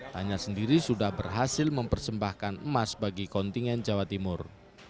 tanya sendiri sudah berhasil mempersembahkan emas bagi kontingen jawa timur